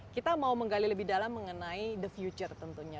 kita mau menggali lebih dalam mengenai the future tentunya